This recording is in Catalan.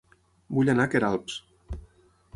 Vull anar a Queralbs